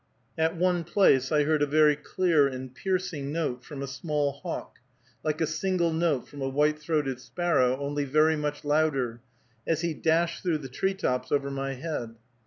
At one place I heard a very clear and piercing note from a small hawk, like a single note from a white throated sparrow, only very much louder, as he dashed through the tree tops over my head.